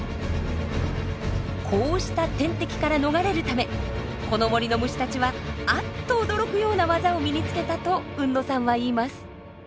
こうした天敵から逃れるためこの森の虫たちはあっと驚くようなワザを身につけたと海野さんは言います。